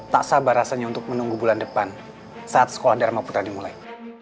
tak sabar rasanya untuk menunggu bulan depan saat sekolah dharma putra dimulai